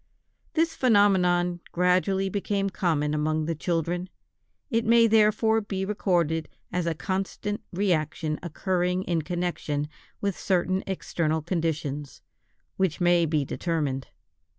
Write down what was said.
This phenomenon gradually became common among the children: it may therefore be recorded as a constant reaction occurring in connection with certain external conditions, which may be determined.